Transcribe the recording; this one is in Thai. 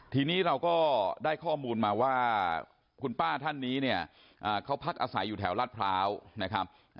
ทีนี้เราก็ได้ข้อมูลมาว่าคุณป้าท่านนี้เนี่ยเขาพักอาศัยอยู่แถวลาดพร้าวนะครับ